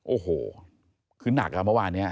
โอ้โหคือหนักอ่ะเมื่อวานนี้